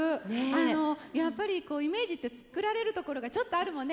あのやっぱりイメージって作られるところがちょっとあるもんね。